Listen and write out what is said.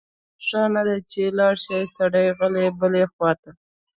ښه نه ده چې لاړ شی سړی غلی بلې خواته؟